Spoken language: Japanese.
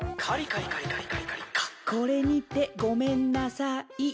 これにてごめんなさい。